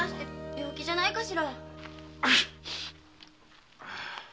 病気じゃないかしら？